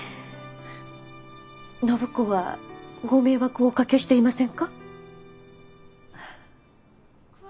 暢子はご迷惑をおかけしていませんか？